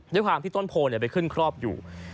ด้วยความที่ต้นโพลไปขึ้นครอบอยู่